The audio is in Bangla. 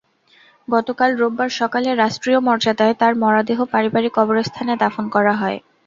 গতকাল রোববার সকালে রাষ্ট্রীয় মর্যাদায় তাঁর মরদেহ পারিবারিক কবরস্থানে দাফন করা হয়।